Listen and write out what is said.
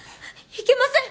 いけません